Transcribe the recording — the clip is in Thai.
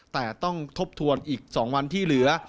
แต่ต้องทบทวนอีก๒วันที่เหลือ